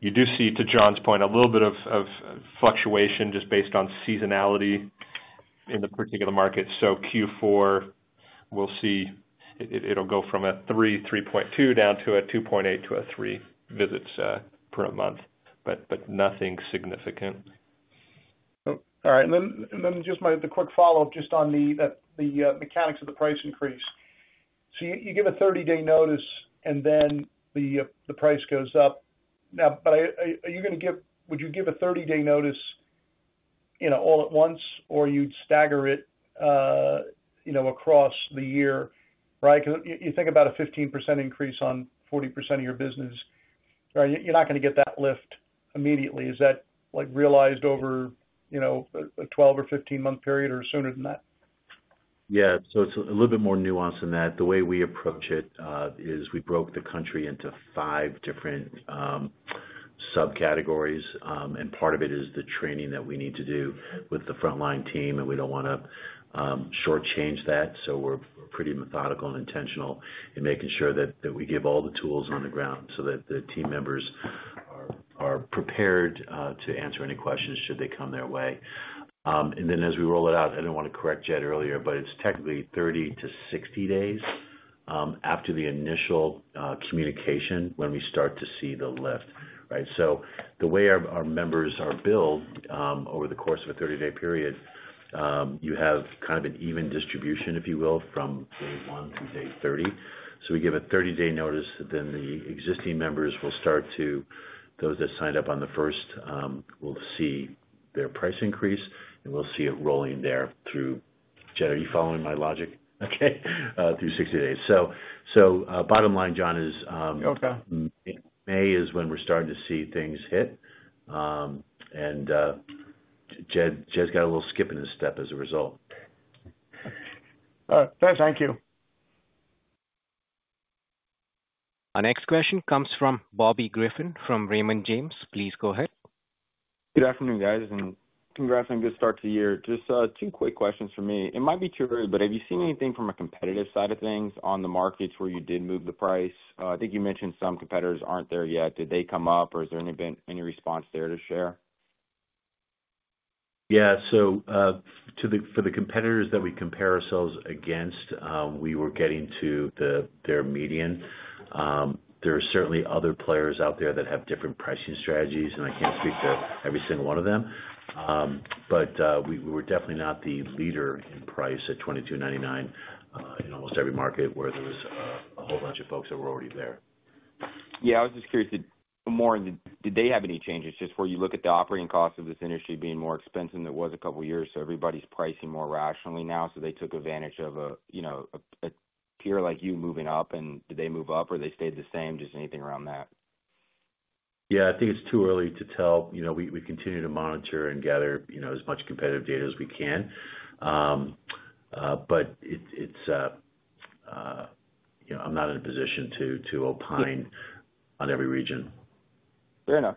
D: You do see, to John's point, a little bit of fluctuation just based on seasonality in the particular market. Q4, we'll see it'll go from a 3, 3.2 down to a 2.8-3 visits per month, but nothing significant.
M: All right. And then just the quick follow-up just on the mechanics of the price increase. You give a 30-day notice, and then the price goes up. Now, are you going to give a 30-day notice all at once, or you'd stagger it across the year, right? Because you think about a 15% increase on 40% of your business, right? You're not going to get that lift immediately. Is that realized over a 12 or 15-month period or sooner than that?
C: Yeah. It is a little bit more nuanced than that. The way we approach it is we broke the country into five different subcategories. Part of it is the training that we need to do with the frontline team. We do not want to shortchange that. We are pretty methodical and intentional in making sure that we give all the tools on the ground so that the team members are prepared to answer any questions should they come their way. As we roll it out, I did not want to correct Jed earlier, but it is technically 30-60 days after the initial communication when we start to see the lift, right? The way our members are billed over the course of a 30-day period, you have kind of an even distribution, if you will, from day one to day 30. We give a 30-day notice. The existing members will start to, those that signed up on the first will see their price increase. We'll see it rolling there through. Jed, are you following my logic? Okay. Through 60 days. Bottom line, John, is May is when we're starting to see things hit. Jed's got a little skip in his step as a result.
M: All right. Thank you.
A: Our next question comes from Bobby Griffin from Raymond James. Please go ahead.
N: Good afternoon, guys. Congrats on a good start to the year. Just two quick questions for me. It might be too early, but have you seen anything from a competitive side of things on the markets where you did move the price? I think you mentioned some competitors are not there yet. Did they come up, or is there any response there to share?
C: Yeah. For the competitors that we compare ourselves against, we were getting to their median. There are certainly other players out there that have different pricing strategies. I can't speak to every single one of them. We were definitely not the leader in price at $22.99 in almost every market where there was a whole bunch of folks that were already there.
N: Yeah. I was just curious more in the did they have any changes? Just where you look at the operating costs of this industry being more expensive than it was a couple of years. Everybody's pricing more rationally now. They took advantage of a tier like you moving up. Did they move up, or they stayed the same? Just anything around that?
C: Yeah. I think it's too early to tell. We continue to monitor and gather as much competitive data as we can. I'm not in a position to opine on every region.
N: Fair enough.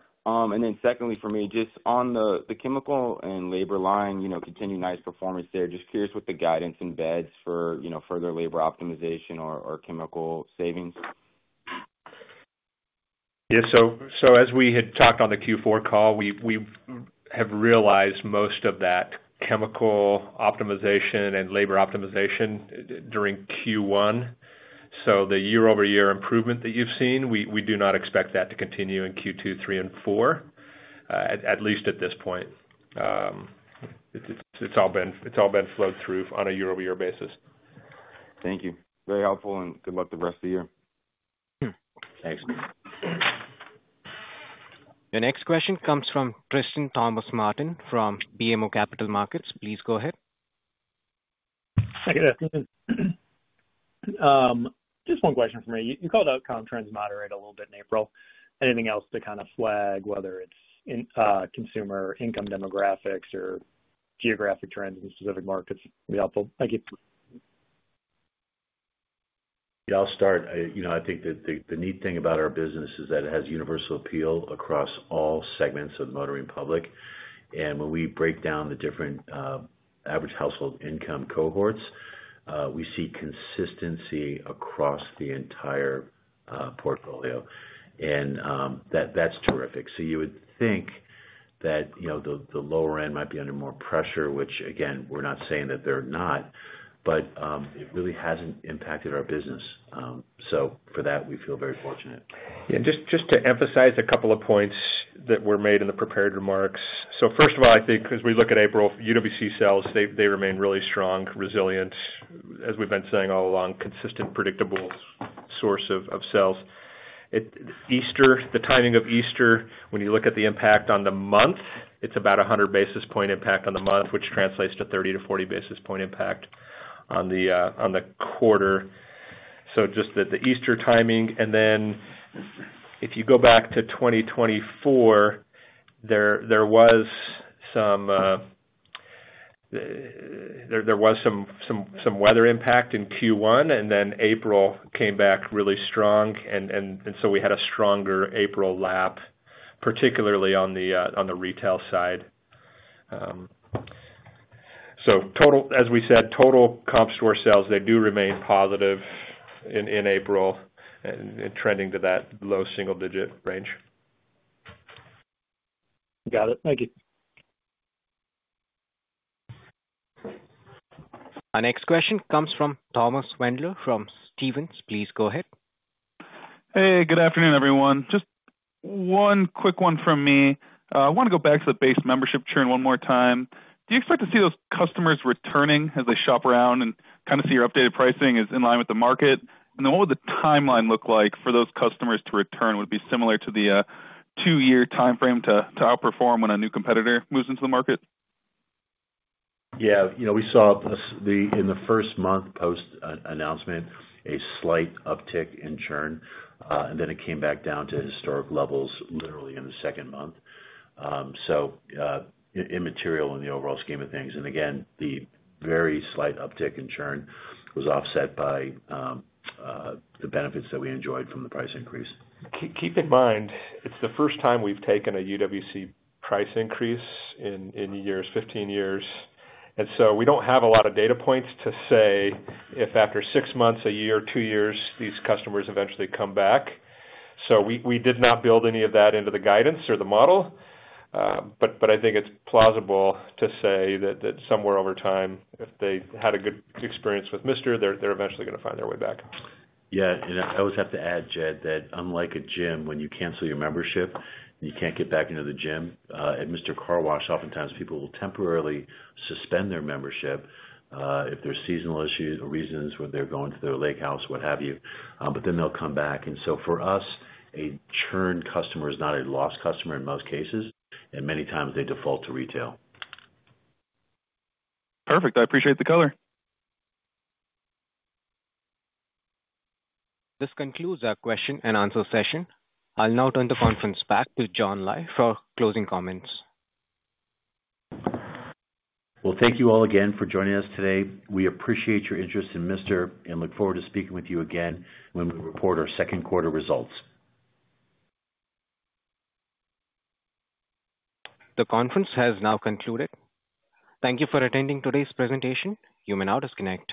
N: Secondly, for me, just on the chemical and labor line, continuing nice performance there. Just curious what the guidance embeds for further labor optimization or chemical savings.
D: Yeah. As we had talked on the Q4 call, we have realized most of that chemical optimization and labor optimization during Q1. The year-over-year improvement that you've seen, we do not expect that to continue in Q2, 3, and 4, at least at this point. It's all been flowed through on a year-over-year basis.
N: Thank you. Very helpful. Good luck the rest of the year.
C: Thanks.
A: The next question comes from Tristan Thomas-Martin from BMO Capital Markets. Please go ahead.
O: Hey, guys. Just one question for me. You called out comp trends moderate a little bit in April. Anything else to kind of flag, whether it's consumer income demographics or geographic trends in specific markets? It'd be helpful.
C: Yeah. I'll start. I think the neat thing about our business is that it has universal appeal across all segments of the motoring public. When we break down the different average household income cohorts, we see consistency across the entire portfolio. That's terrific. You would think that the lower end might be under more pressure, which, again, we're not saying that they're not, but it really hasn't impacted our business. For that, we feel very fortunate.
D: Yeah. Just to emphasize a couple of points that were made in the prepared remarks. First of all, I think as we look at April, UWC sales, they remain really strong, resilient, as we've been saying all along, consistent, predictable source of sales. Easter, the timing of Easter, when you look at the impact on the month, it's about 100 basis point impact on the month, which translates to 30-40 basis point impact on the quarter. Just the Easter timing. If you go back to 2024, there was some weather impact in Q1. April came back really strong. We had a stronger April lap, particularly on the retail side. As we said, total comp store sales, they do remain positive in April and trending to that low single-digit range.
O: Got it. Thank you.
A: Our next question comes from Thomas Wendler from Stephens. Please go ahead.
P: Hey, good afternoon, everyone. Just one quick one from me. I want to go back to the base membership churn one more time. Do you expect to see those customers returning as they shop around and kind of see your updated pricing is in line with the market? What would the timeline look like for those customers to return? Would it be similar to the two-year timeframe to outperform when a new competitor moves into the market?
C: Yeah. We saw in the first month post-announcement, a slight uptick in churn. It came back down to historic levels literally in the second month. Immaterial in the overall scheme of things. Again, the very slight uptick in churn was offset by the benefits that we enjoyed from the price increase.
D: Keep in mind, it's the first time we've taken a UWC price increase in 15 years. We don't have a lot of data points to say if after six months, a year, two years, these customers eventually come back. We did not build any of that into the guidance or the model. I think it's plausible to say that somewhere over time, if they had a good experience with Mister, they're eventually going to find their way back.
C: Yeah. I always have to add, Jed, that unlike a gym, when you cancel your membership, you can't get back into the gym. At Mister Car Wash, oftentimes, people will temporarily suspend their membership if there's seasonal issues or reasons where they're going to their lake house, what have you. They come back. For us, a churn customer is not a lost customer in most cases. Many times, they default to retail.
P: Perfect. I appreciate the color.
A: This concludes our question and answer session. I'll now turn the conference back to John Lai for closing comments.
C: Thank you all again for joining us today. We appreciate your interest in Mister and look forward to speaking with you again when we report our second quarter results.
A: The conference has now concluded. Thank you for attending today's presentation. You may now disconnect.